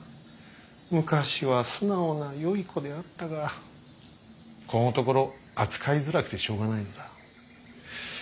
昔は素直なよい子であったがこのところ扱いづらくてしょうがないのだ。